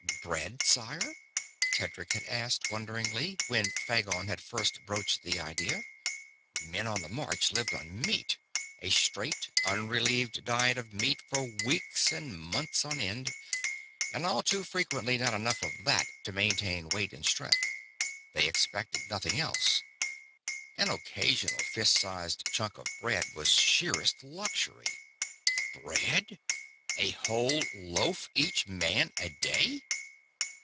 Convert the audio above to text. "Bread, sire?" Tedric had asked, wonderingly, when Phagon had first broached the idea. Men on the march lived on meat a straight, unrelieved diet of meat for weeks and months on end and all too frequently not enough of that to maintain weight and strength. They expected nothing else; an occasional fist sized chunk of bread was sheerest luxury. "Bread! A whole loaf each man a day?"